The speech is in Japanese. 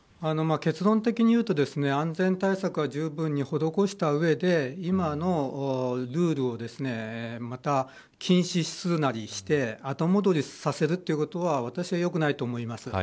結論的にいうと安全対策をじゅうぶんに施した上で今のルールを禁止するなりして後戻りさせるということは私は良くないと思います。